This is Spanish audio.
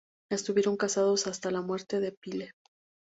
Estuvieron casados hasta la muerte de Pyle.